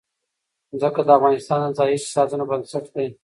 ځمکه د افغانستان د ځایي اقتصادونو بنسټ دی.